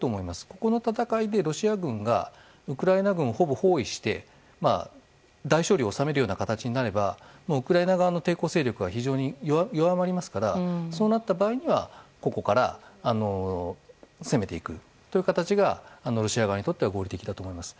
ここの戦いでロシア軍がウクライナ軍をほぼ包囲して大勝利を収めるような形になればウクライナ側の抵抗勢力は非常に弱まりますからそうなった場合にはここから攻めていくという形がロシア側にとっては合理的だと思います。